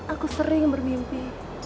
aku sering bermimpi